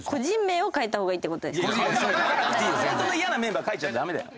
本当の嫌なメンバー書いちゃダメだよ。